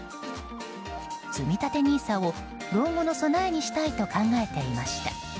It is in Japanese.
つみたてＮＩＳＡを老後の備えにしたいと考えていました。